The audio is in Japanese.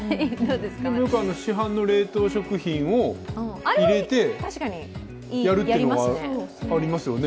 市販の冷凍食品を入れてやるというのはありますよね。